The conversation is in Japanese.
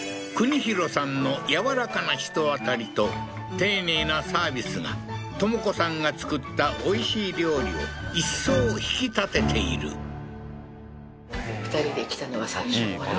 大さんの柔らかな人当たりと丁寧なサービスが知子さんが作ったおいしい料理をいっそう引き立てているあ